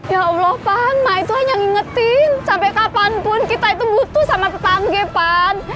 ya allah pan nah itu hanya ngingetin sampai kapanpun kita itu butuh sama tetangga pan